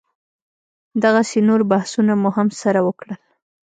دغسې نور بحثونه مو هم سره وکړل.